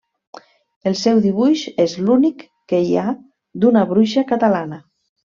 El seu dibuix és l'únic que hi ha d'una bruixa catalana.